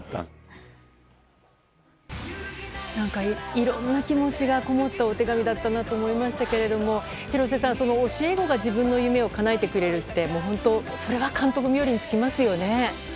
いろんな気持ちがこもったお手紙だったなと思いましたけれども廣瀬さん、教え子が自分の夢をかなえてくれるって本当にそれは監督冥利に尽きますよね。